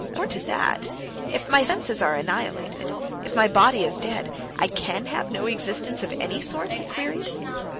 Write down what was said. "According to that, if my senses are annihilated, if my body is dead, I can have no existence of any sort?" he queried.